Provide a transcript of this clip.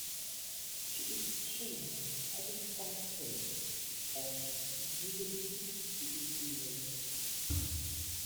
She is shown having five heads and is usually seated within a lotus.